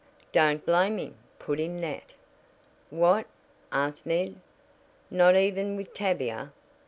"Don't blame him," put in Nat. "What?" asked Ned. "Not even with Tavia?"